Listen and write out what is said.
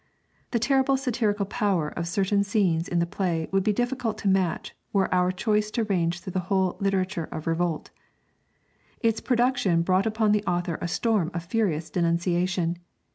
The terrible satirical power of certain scenes in this play would be difficult to match were our choice to range through the whole literature of Revolt. Its production brought upon the author a storm of furious denunciation.